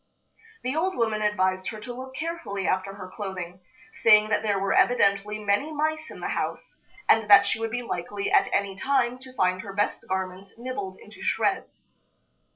The old woman advised her to look carefully after her clothing, saying that there were evidently many mice in the house, and that she would be likely at any time to find her best garments nibbled into shreds.